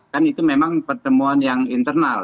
kan itu memang pertemuan yang internal